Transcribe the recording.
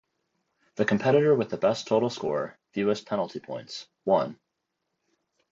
The competitor with the best total score (fewest penalty points) won.